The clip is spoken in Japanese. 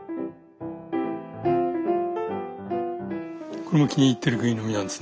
これも気に入ってるぐい飲みなんですね。